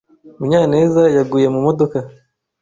Munyaneza yaguye mu modoka.